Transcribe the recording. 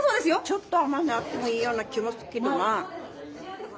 ちょっと甘みあってもいいような気もすっけどな。